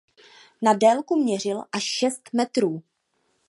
Na délku měřil až šest metrů.